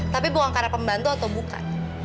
tapi bukan karena pembantu atau bukan